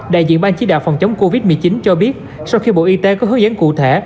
đại diện ban chỉ đạo phòng chống covid một mươi chín cho biết sau khi bộ y tế có hướng dẫn cụ thể